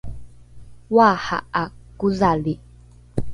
oaha’a kodhali